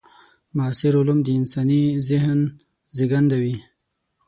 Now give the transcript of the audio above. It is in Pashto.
معاصر علوم د انساني ذهن زېږنده وي.